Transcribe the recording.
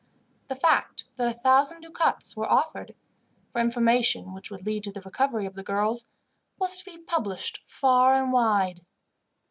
The fact that a thousand ducats were offered, for information which would lead to the recovery of the girls, was also to be published far and wide.